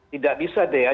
tidak bisa deh ya